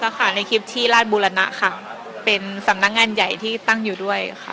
แล้วค่ะในคลิปที่ราชบูรณะค่ะเป็นสำนักงานใหญ่ที่ตั้งอยู่ด้วยค่ะ